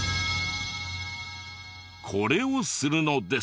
これをするのです。